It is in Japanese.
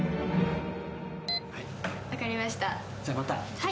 はい。